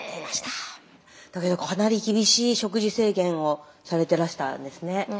かなり厳しい食事制限をされてらしたんですね。ね。